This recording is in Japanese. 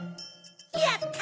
やった！